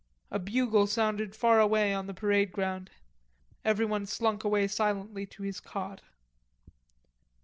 A bugle sounded far away outside on the parade ground. Everyone slunk away silently to his cot.